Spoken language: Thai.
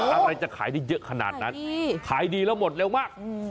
อะไรจะขายได้เยอะขนาดนั้นขายดีแล้วหมดเร็วมาก